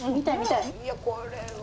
いやこれは。